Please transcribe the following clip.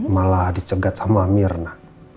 malah dicegat sama mirna